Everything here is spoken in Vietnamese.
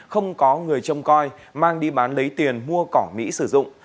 không có người trông coi mang đi bán lấy tiền mua cỏ mỹ sử dụng